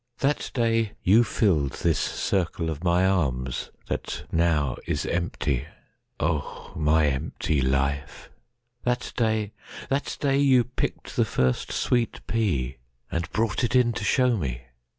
That day you filled this circle of my armsThat now is empty. (O my empty life!)That day—that day you picked the first sweet pea,—And brought it in to show me!